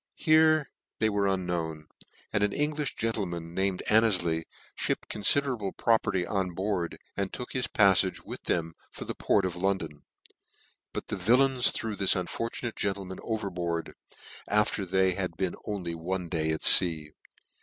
Here they were unknown ; and an En glim gentleman, named Anneiley, fhipped confi derable property on board, and took his pafiage with them for the port of London: but the vil lains threw this unfortunate gentleman overboard, after they had been only one day at fea.